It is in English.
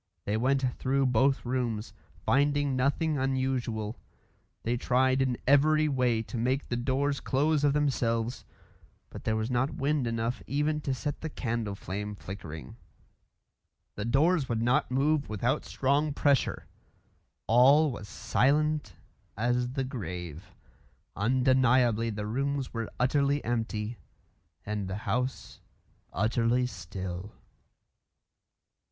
They went through both rooms, finding nothing unusual. They tried in every way to make the doors close of themselves, but there was not wind enough even to set the candle flame flickering. The doors would not move without strong pressure. All was silent as the grave. Undeniably the rooms were utterly empty, and the house utterly still.